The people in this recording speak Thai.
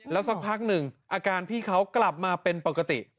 แล้วสักพักหนึ่งอาการพี่เขากลับมาเป็นปกติ